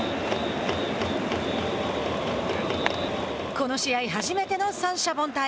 この試合初めての三者凡退。